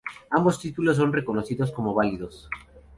Ambos títulos son reconocidos como válidos.